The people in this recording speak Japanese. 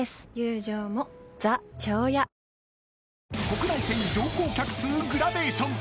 ［国内線乗降客数グラデーション］